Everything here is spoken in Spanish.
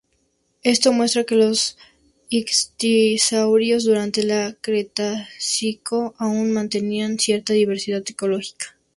Esto muestra que los ictiosaurios durante el Cretácico aun mantenían cierta diversidad ecológica.